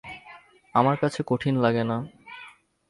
আমার কাছে কঠিন লাগে না।